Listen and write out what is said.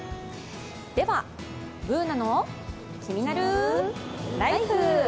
では、「ＢｏｏｎａのキニナルＬＩＦＥ」。